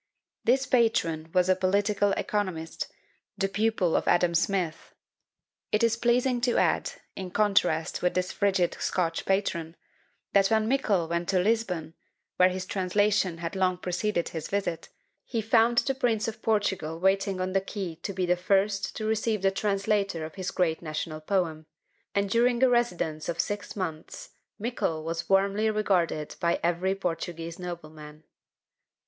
This patron was a political economist, the pupil of Adam Smith! It is pleasing to add, in contrast with this frigid Scotch patron, that when Mickle went to Lisbon, where his translation had long preceded his visit, he found the Prince of Portugal waiting on the quay to be the first to receive the translator of his great national poem; and during a residence of six months, Mickle was warmly regarded by every Portuguese nobleman.